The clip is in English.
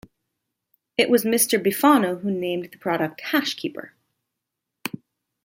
It was Mr. Bifano who named the product HashKeeper.